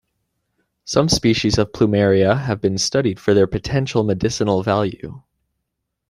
Some species of "plumeria" have been studied for their potential medicinal value.